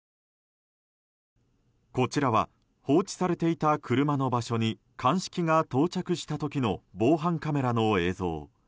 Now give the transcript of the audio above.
こちらは放置されていた車の場所に鑑識が到着した時の防犯カメラの映像。